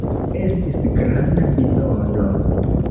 Estis granda bizono.